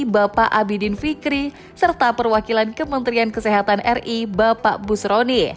bapak abidin fikri serta perwakilan kementerian kesehatan ri bapak busroni